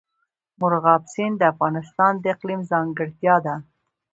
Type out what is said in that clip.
مورغاب سیند د افغانستان د اقلیم ځانګړتیا ده.